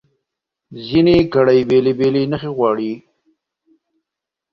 ځینې ګړې بېلې نښې غواړي.